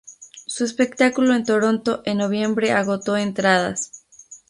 Su espectáculo en Toronto en noviembre agotó entradas.